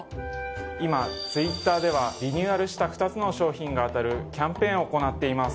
今Ｔｗｉｔｔｅｒではリニューアルした２つの商品が当たるキャンペーンを行っています